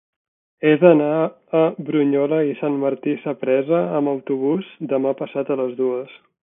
He d'anar a Brunyola i Sant Martí Sapresa amb autobús demà passat a les dues.